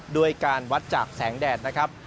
ด้วยการวัดจากแสงแดดนะครับ